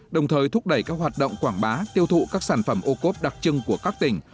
đồng thời thúc đẩy các hoạt động quảng bá tiêu thụ các sản phẩm ô cốp đặc trưng của các tỉnh